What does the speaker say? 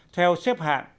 theo xếp hạng